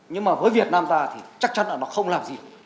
nhưng mà với việt nam ta thì chắc chắn là nó không làm gì